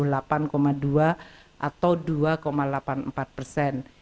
dan rp sembilan puluh delapan dua triliun atau rp dua delapan puluh empat triliun